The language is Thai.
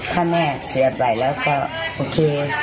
ถ้าแม่เสียไปแล้วก็โอเค